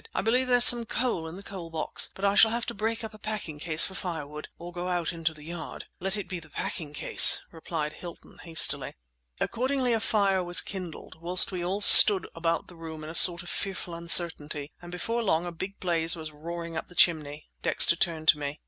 "I believe there's some coal in the coal box, but I shall have to break up a packing case for firewood—or go out into the yard!" "Let it be the packing case," replied Hilton hastily. Accordingly a fire was kindled, whilst we all stood about the room in a sort of fearful uncertainty; and before long a big blaze was roaring up the chimney. Dexter turned to me.